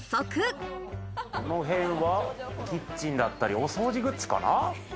この辺はキッチンだったりお掃除グッズかな。